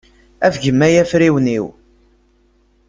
Afgem ay afriwen-iw.